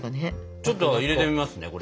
ちょっと入れてみますねこれ。